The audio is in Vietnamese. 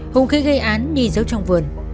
hùng khí gây án nhi giấu trong vườn